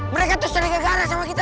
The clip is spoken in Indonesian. mereka terus jadi gegara sama kita